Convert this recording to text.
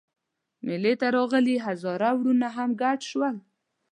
مېلې ته راغلي هزاره وروڼه هم ګډ شول.